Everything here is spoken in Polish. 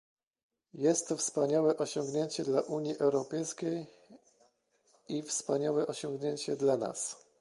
Jest to wspaniałe osiągnięcie dla Unii Europejskiej i wspaniałe osiągnięcie dla nas